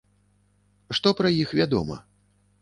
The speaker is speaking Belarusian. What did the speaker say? Што пра іх вядома?